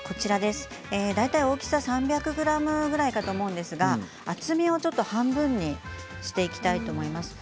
大体大きさが３００ｇくらいかと思うんですが厚みを半分にしていきたいと思います。